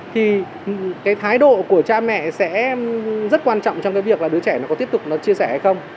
thì cái thái độ của cha mẹ sẽ rất quan trọng trong cái việc là đứa trẻ nó có tiếp tục nó chia sẻ hay không